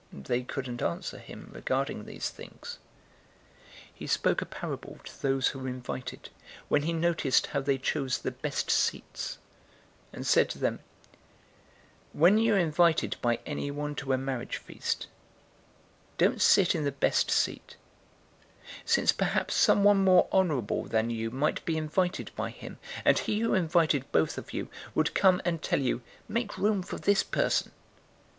014:006 They couldn't answer him regarding these things. 014:007 He spoke a parable to those who were invited, when he noticed how they chose the best seats, and said to them, 014:008 "When you are invited by anyone to a marriage feast, don't sit in the best seat, since perhaps someone more honorable than you might be invited by him, 014:009 and he who invited both of you would come and tell you, 'Make room for this person.'